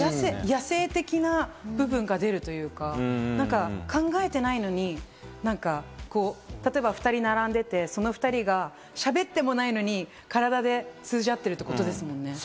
野性的な部分が出るというか、考えてないのに例えば２人並んでいて、その２人がしゃべってもないのに体で通じ合ってるってことですもんね。